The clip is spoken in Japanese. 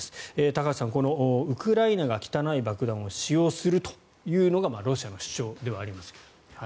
高橋さん、このウクライナが汚い爆弾を使用するというのがロシアの主張ではありますが。